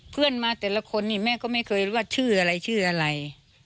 เพื่อนมาแต่ละคนนี่แม่ก็ไม่เคยรู้ว่าชื่ออะไรชื่ออะไร